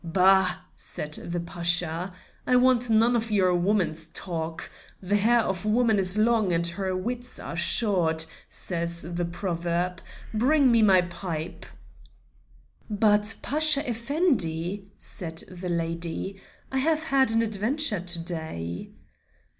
"Bah!" said the Pasha; "I want none of your woman's talk; 'the hair of woman is long, and her wits are short,' says the proverb. Bring me my pipe." "But, Pasha Effendi," said the lady, "I have had an adventure to day."